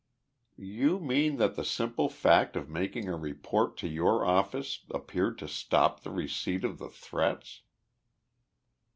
"You mean that the simple fact of making a report to your office appeared to stop the receipt of the threats."